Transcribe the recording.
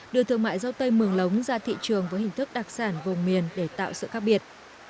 đưa thương mại dâu tây mường lống ra thị trường với hình thức đặc sản vùng miền để tạo sự khác biệt